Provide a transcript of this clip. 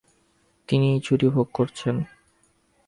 তিনি ছুটি ভোগ করছেন।